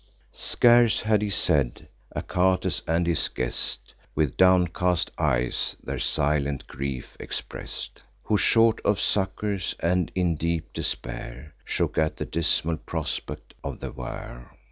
Scarce had he said; Achates and his guest, With downcast eyes, their silent grief express'd; Who, short of succours, and in deep despair, Shook at the dismal prospect of the war.